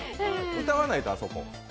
歌わないと、あそこ。